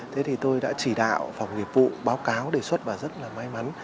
thế thì tôi đã chỉ đạo phòng nghiệp vụ báo cáo đề xuất và rất là may mắn